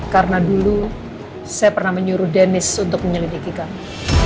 karena dulu saya pernah menyuruh dennis untuk menyelidiki kamu